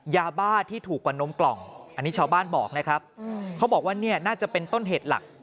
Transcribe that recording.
ยาบ้าที่ถูกกว่านมกล่องอันนี้ชาวบ้านบอกนะครับเขาบอกว่าเนี่ยน่าจะเป็นต้นเหตุหลัก